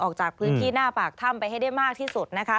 ออกจากพื้นที่หน้าปากถ้ำไปให้ได้มากที่สุดนะคะ